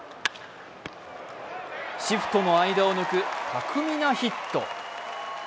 シフトの間を抜く、巧みなヒット。